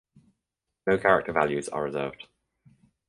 No character values are reserved.